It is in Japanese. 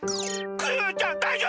クヨヨちゃんだいじょうぶ！？